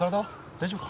大丈夫か？